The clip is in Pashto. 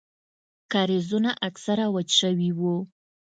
کاريزونه اکثره وچ سوي وو.